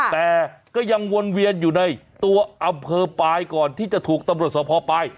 แต่ก็ยังวนเวียนอยู่ในตัวอำเภอปลายก่อนที่จะถูกตำรวจสภปลาย